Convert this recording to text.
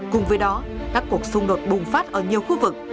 cùng với đó các cuộc xung đột bùng phát ở nhiều khu vực